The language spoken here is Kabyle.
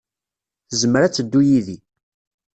Tezmer ad teddu yid-i.